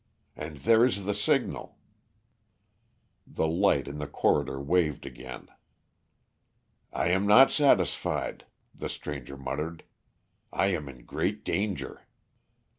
And there is the signal." The light in the corridor waved again. "I am not satisfied," the stranger muttered. "I am in great danger."